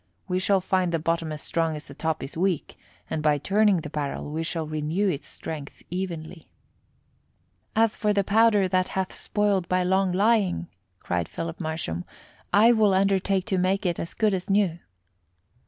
We shall find the bottom as strong as the top is weak, and by turning the barrel we shall renew its strength evenly." "As for the powder that hath spoiled by long lying," cried Philip Marsham, "I will undertake to make it as good as new."